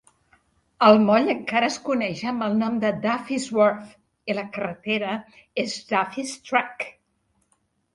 El moll encara es coneix amb el nom de Duffys Wharf i la carretera és Duffys Track.